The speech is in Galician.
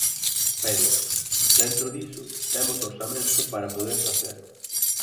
Pero, dentro diso, temos orzamento para poder facer.